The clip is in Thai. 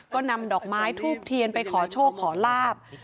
ก็นำดอกไม้ทูบเทียนไปขอโชคขอลาบ